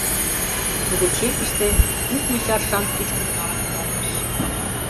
Тудо чекыште кӱртньӧ чаршам пӱчкын налын кудалтыш.